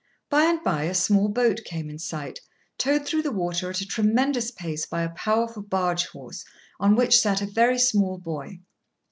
By and by a small boat came in sight, towed through the water at a tremendous pace by a powerful barge horse, on which sat a very small boy.